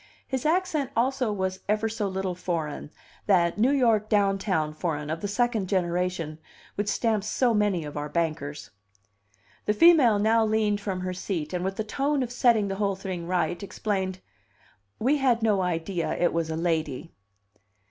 His accent also was ever so little foreign that New York downtown foreign, of the second generation, which stamps so, many of our bankers. The female now leaned from her seat, and with the tone of setting the whole thing right, explained: "We had no idea it was a lady."